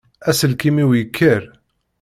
Aselkim-iw yekker.